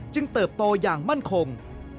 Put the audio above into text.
เติบโตอย่างมั่นคง